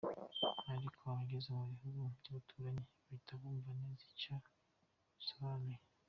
Ariko abageze mu bihugu by’abaturanyi bahita bumva neza icyo bisobanuye.